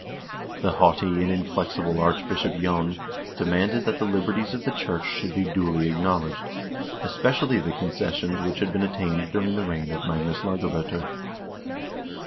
The haughty and inflexible Archbishop J6n demanded that the liberties of the church should be duly acknowledged ; especially the conces sions which had been obtained during the reign of Magnus Lagab0ter.